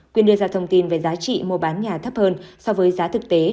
quyên đưa ra thông tin về giá trị mua bán nhà thấp hơn so với giá thực tế